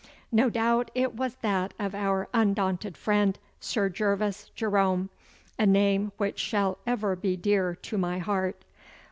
No doubt it was that of our undaunted friend, Sir Gervas Jerome, a name which shall ever be dear to my heart.